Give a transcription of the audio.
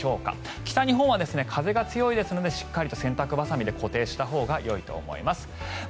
北日本は風が強いですのでしっかりと洗濯バサミで固定したほうがよいと思います。